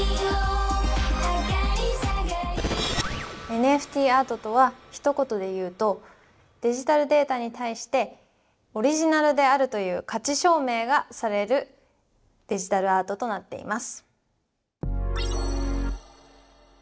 ＮＦＴアートとはひと言で言うとデジタルデータに対してオリジナルであるという価値証明がされるデジタルアートとなっています。